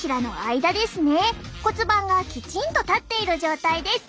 骨盤がきちんと立っている状態です。